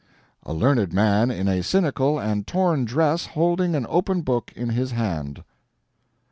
"A learned man in a cynical and torn dress holding an open book in his hand."